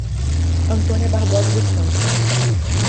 Antônia Barbosa dos Santos